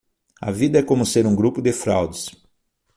A vida é como ser um grupo de fraudes